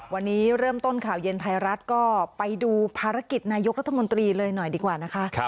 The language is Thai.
วันนี้เริ่มต้นข่าวเย็นไทยรัฐก็ไปดูภารกิจนายกรัฐมนตรีเลยหน่อยดีกว่านะคะ